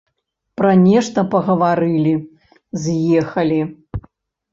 Пра нешта пагаварылі, з'ехалі.